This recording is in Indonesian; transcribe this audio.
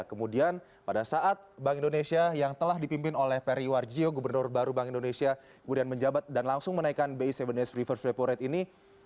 kemudian pada saat bank indonesia yang telah dipimpin oleh periwar jio gubernur baru bank indonesia kemudian menjabat dan langsung menaikkan bi tujuh days reverse repo rate ini